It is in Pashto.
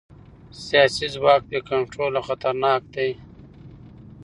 سیاسي ځواک بې کنټروله خطرناک دی